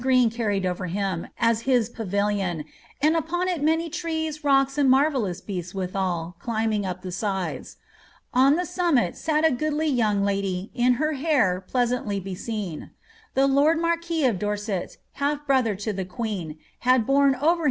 reen carried over him, as his pavilion, and upon it many trees, rocks, «nd marvellous beasts, withal, climbing up the sides. On the summit sat a i^oodly youn? lady, in her hair, pleasantly beseen. The lord marquis of Dorset, half brother to the queen,* had borne over him a rich pavi ' Hall, 494.